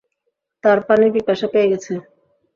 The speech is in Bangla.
তার পানির পিপাসা পেয়ে গেছে।